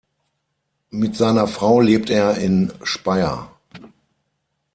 Mit seiner Frau lebt er in Speyer.